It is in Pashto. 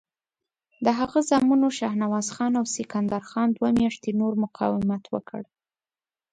د هغه زامنو شهنواز خان او سکندر خان دوه میاشتې نور مقاومت وکړ.